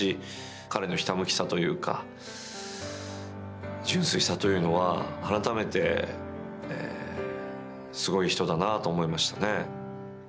彼のひたむきさというか純粋さというのは、改めてすごい人だなと思いましたね。